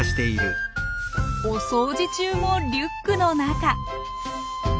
お掃除中もリュックの中。